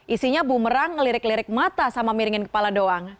isinya bumerang ngelirik lirik mata sama miringin kepala doang